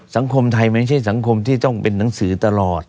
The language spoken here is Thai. สังคมไทยไม่ใช่สังคมที่ต้องเป็นหนังสือตลอด